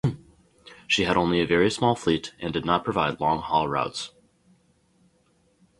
She had only a very small fleet and did not provide long haul routes.